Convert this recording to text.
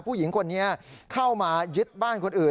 ผู้หญิงคนนี้เข้ามายึดบ้านคนอื่น